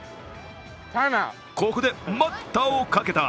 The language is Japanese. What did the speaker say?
ここで待ったをかけた！